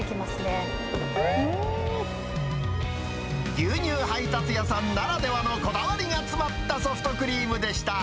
牛乳配達屋さんならではの、こだわりが詰まったソフトクリームでした。